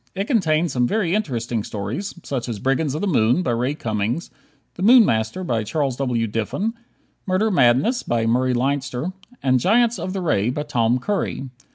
It contained some very interesting stories, such as "Brigands of the Moon," by Ray Cummings, "The Moon Master," by Charles W. Diffin, "Murder Madness," by Murray Leinster, and "Giants of the Ray," by Tom Curry.